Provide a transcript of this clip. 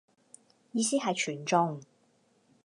意思係全中